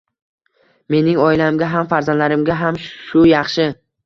Mening oilamga ham, farzandlarimga ham shu yaxshi